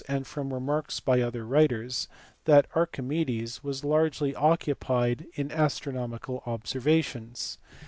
77 and from remarks by other writers, that Archimedes was largely occupied in astronomical observations.